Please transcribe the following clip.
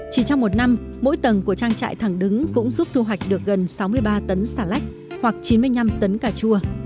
chỉ trong một năm mỗi tầng của trang trại thẳng đứng cũng giúp thu hoạch được gần sáu mươi ba tấn xà lách hoặc chín mươi năm tấn cà chua